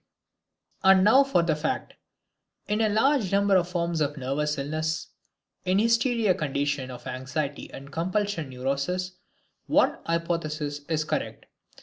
And now for the fact! In a large number of forms of nervous illness, in hysteria, conditions of anxiety and compulsion neuroses, one hypothesis is correct.